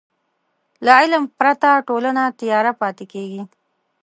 له علم پرته ټولنه تیاره پاتې کېږي.